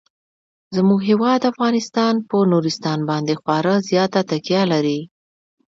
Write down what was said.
زموږ هیواد افغانستان په نورستان باندې خورا زیاته تکیه لري.